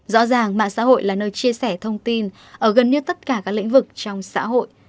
rõ ràng mạng xã hội là nơi chia sẻ thông tin ở gần như tất cả các lĩnh vực trong xã hội